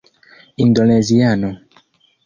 indoneziano